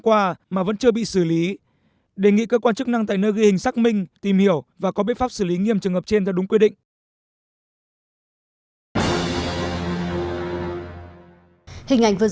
các cơ quan chức năng tại nơi ghi hình xác minh tìm hiểu và có bếp pháp xử lý nghiêm trường hợp trên đã đúng quyết định